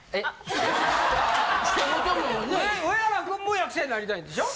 上原君も役者になりたいんでしょ？